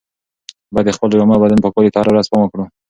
باید د خپلو جامو او بدن پاکوالي ته هره ورځ پام وکړو.